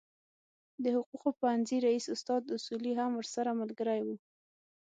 د حقوقو پوهنځي رئیس استاد اصولي هم ورسره ملګری و.